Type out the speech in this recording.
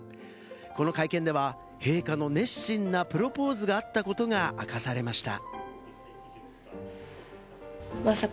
この会見では、陛下の熱心なプロポーズがあったことが明かされました。